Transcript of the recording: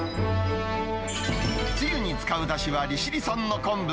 つゆに使うだしは利尻山の昆布。